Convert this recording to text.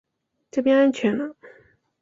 这边安全了